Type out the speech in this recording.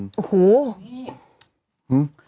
อู้หู